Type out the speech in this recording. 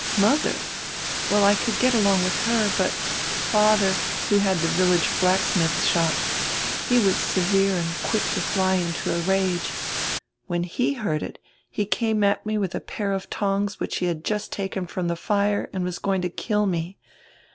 Mother — well, I could get along with her, but father, who had die village blacksmith's shop, he was severe and quick to fly into a rage. When he heard it, he came at me with a pair of tongs which he had just taken from die fire and was going to kill me.